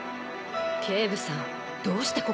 警部さんどうしてここに。